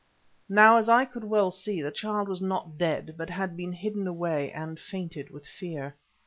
Now, as I could well see, the child was not dead, but had been hidden away, and fainted with fear.